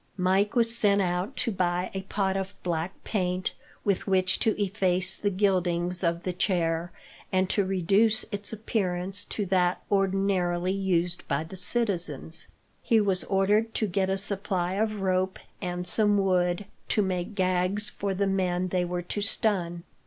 Mike was sent out to buy a pot of black paint, with which to efface the gildings of the chair, and to reduce its appearance to that ordinarily used by the citizens. He was ordered to get a supply of rope, and some wood, to make gags for the men they were to stun.